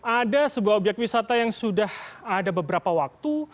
ada sebuah obyek wisata yang sudah ada beberapa waktu